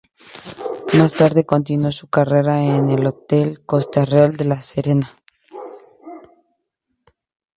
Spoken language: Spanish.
Más tarde continuó su carrera en el Hotel Costa Real de La Serena.